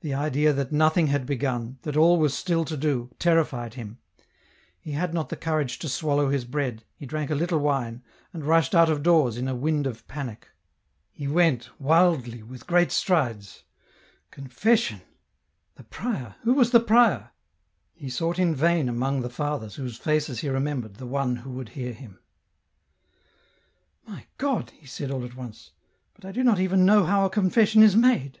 The idea that nothing had begun, that all was still to do, terrified him ; he had not the courage to swallow his bread, he drank a little wine, and rushed out of doors in a wind of panic. He went, wildly, with great strides. Confession ! The prior ? Who was the prior ? He sought in vain among the fathers whose faces he remembered the one who would hear him. EN ROUTE. 177 " My God !" he said, all at once, " but I do not even know how a confession is made."